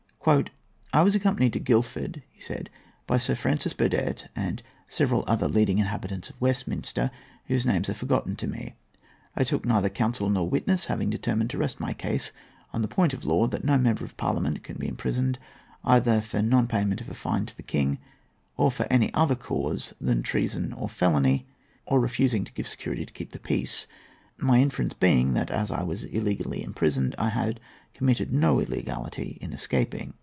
"I was accompanied to Guildford," he said, "by Sir Francis Burdett and several other leading inhabitants of Westminster, whose names are forgotten by me. I took neither counsel nor witnesses, having determined to rest my case on the point of law that 'no Member of Parliament can be imprisoned, either for non payment of a fine to the king, or for any other cause than treason or felony, or refusing to give security to keep the peace,' my inference being that as I was illegally imprisoned, I had committed no illegality in escaping.